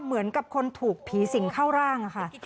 เหมือนกับคนถูกผีสิงเข้าร่างอะค่ะ